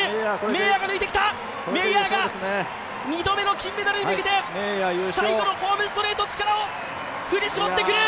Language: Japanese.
メイヤーが２度目の金メダルに向けて最後のホームストレート、力を振り絞ってくる。